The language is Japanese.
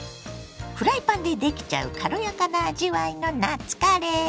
フライパンでできちゃう軽やかな味わいの夏カレー。